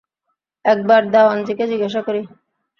একবার দেওয়ানজিকে জিজ্ঞাসা করি।